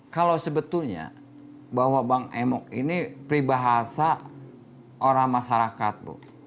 kalau sebetulnya bahwa bang emok ini pribahasa orang masyarakat bu